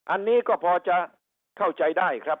อันนี้ก็พอจะเข้าใจได้ครับ